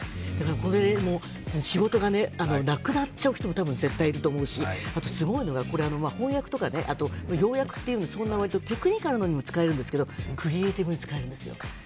これ、仕事がなくなっちゃう人も絶対いるだろうしすごいのが、翻訳とか要約とか、そんな割とテクニカルなことにも使えるんですけれども、クリエーティブに使えるんですよ。